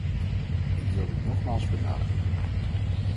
Ik wil dit nogmaals benadrukken.